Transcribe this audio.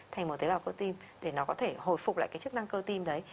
thành một tế bào cơ tim để nó có thể hồi phục lại cái chức năng cơ tim đấy